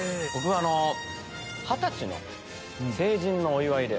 二十歳の成人のお祝いで。